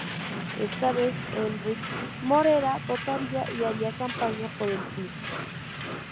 Esta vez, Enric Morera votaría y haría campaña por el sí.